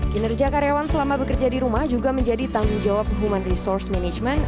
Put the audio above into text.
kinerja karyawan selama bekerja di rumah juga menjadi tanggung jawab human resource management